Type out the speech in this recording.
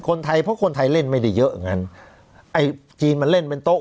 คนไทยเพราะคนไทยเล่นไม่ได้เยอะอย่างงั้นไอ้จีนมันเล่นเป็นโต๊ะ